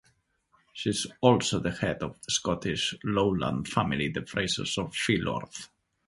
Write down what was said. She is also the head of the Scottish lowland family the Frasers of Philorth.